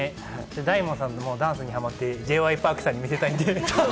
大門さんもダンスにハマって、Ｊ．Ｙ．Ｐａｒｋさんに見せたいと。